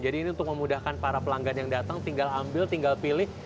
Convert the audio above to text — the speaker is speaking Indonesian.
jadi ini untuk memudahkan para pelanggan yang datang tinggal ambil tinggal pilih